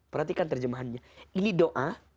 perhatikan terjemahannya ini doa